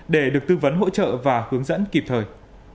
để được tư vấn hỗ trợ và hướng dẫn kịp thời